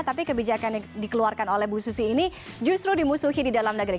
tapi kebijakan yang dikeluarkan oleh bu susi ini justru dimusuhi di dalam negeri